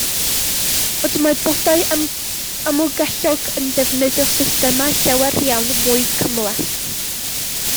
Ond mae bodau amlgellog yn defnyddio systemau llawer iawn mwy cymhleth.